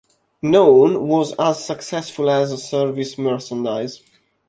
None was as successful as Service Merchandise.